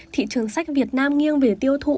thị trường sách việt nam nghiêng về tiêu thụ